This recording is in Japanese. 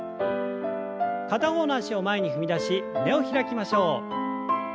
片方の脚を前に踏み出し胸を開きましょう。